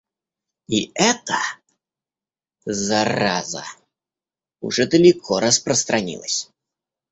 И эта зараза уже далеко распространилась.